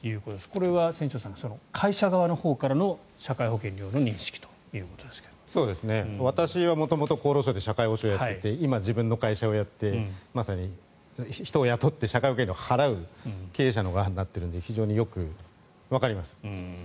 これは千正さん会社側のほうからの私は元々、厚労省で社会保障をやっていて今、自分の会社をやって人を雇って社会保険料を払う経営者側になっているので非常によくわかります。